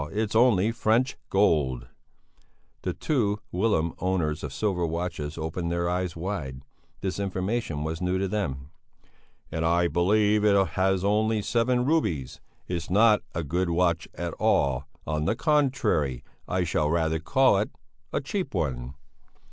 It's only French gold." The two whilom owners of silver watches opened their eyes wide. This information was new to them. "And I believe it has only seven rubies it's not a good watch at all on the contrary I should rather call it a cheap one...."